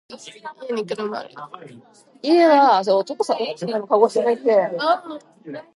The following season he was traded to Toronto Metros.